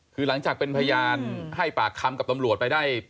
คือหลังจากเป็นพยานให้ปากคำกับตำรวจไปได้